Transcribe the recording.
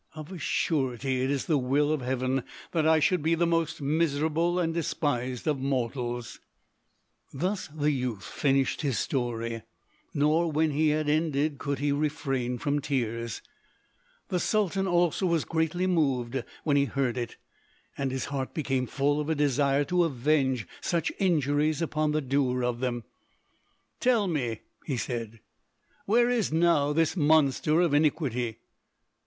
Of a surety it is the will of Heaven that I should be the most miserable and despised of mortals!" [Illustration: Began to heap upon me terms of the most violent and shameful abuse.] Thus the youth finished his story, nor when he had ended could he refrain from tears. The Sultan also was greatly moved when he heard it, and his heart became full of a desire to avenge such injuries upon the doer of them. "Tell me," he said, "where is now this monster of iniquity?"